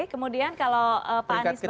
kemudian kalau pak anies